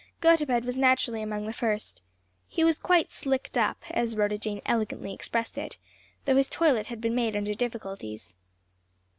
Gotobed was naturally among the first. He was quite "slicked up," as Rhoda Jane elegantly expressed it, though his toilet had been made under difficulties.